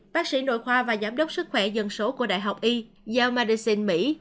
bác sĩ nội khoa và giám đốc sức khỏe dân số của đại học y yale medicine mỹ